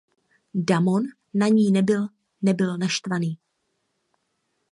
Damon na ní nebyl nebyl naštvaný.